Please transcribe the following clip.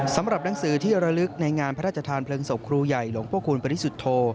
สำหรับหนังสือที่ระลึกในงานพระราชทานเพลิงศพครูใหญ่หลวงพระคุณปริสุทธโธ